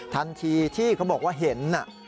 ทันทีที่เขาบอกว่าเห็น